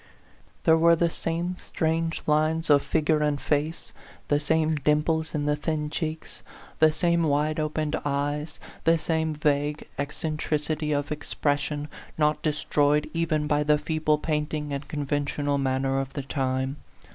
There were the same strange lines of figure and face, the same dimples in the thin cheeks, the same wide opened eyes, the same vague eccentric ity of expression, not destroyed even by the feeble painting and conventional manner of the time.